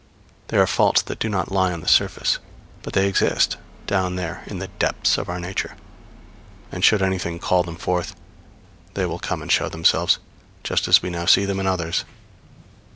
They are faults that do not lie on the surface. But they exist down there in the depths of our nature; and should anything call them forth, they will come and show themselves, just as we now see them in others.